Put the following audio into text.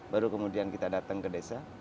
baru kemudian kita datang ke desa